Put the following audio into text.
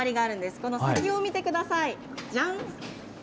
この先を見てください。